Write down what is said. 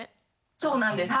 そうなんです。